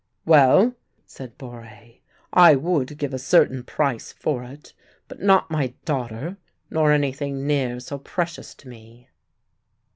"Well," said Borre, "I would give a certain price for it, but not my daughter, nor anything near so precious to me."